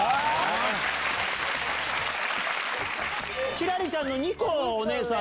輝星ちゃんの２個お姉さん。